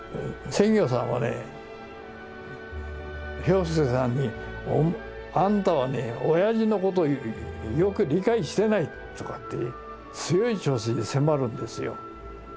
占魚さんはね彪弼さんに「あんたはねおやじのことをよく理解してない」とかって強い調子で迫るんですよ。